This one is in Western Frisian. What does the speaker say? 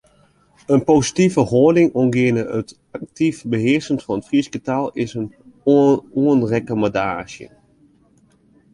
In positive hâlding oangeande it aktyf behearskjen fan de Fryske taal is in oanrekommandaasje.